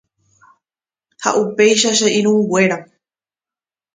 Ha upéicha che irũnguéra.